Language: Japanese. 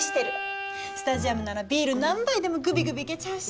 スタジアムならビール何杯でもグビグビいけちゃうし。